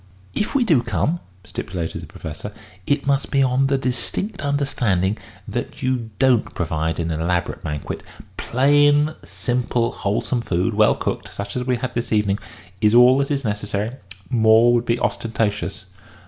"If we do come," stipulated the Professor, "it must be on the distinct understanding that you don't provide an elaborate banquet. Plain, simple, wholesome food, well cooked, such as we have had this evening, is all that is necessary. More would be ostentatious."